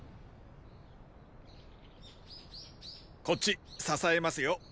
こっち支えますよ。